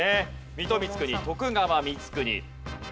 水戸光圀徳川光圀。